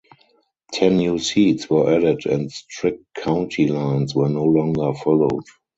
Ten new seats were added and strict county lines were no longer followed.